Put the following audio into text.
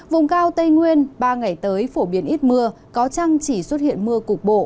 vùng cao tây nguyên ba ngày tới phổ biến ít mưa có trăng chỉ xuất hiện mưa cục bộ